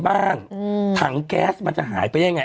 หายไฟในบ้างถังแก๊สมันจะหายไปได้ไง